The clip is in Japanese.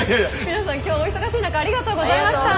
皆さん今日はお忙しい中ありがとうございました。